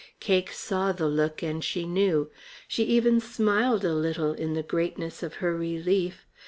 Cake saw the look, and she knew. She even smiled a little in the greatness of her relief.